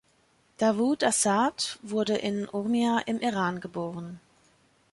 Davood Azad wurde in Urmia im Iran geboren.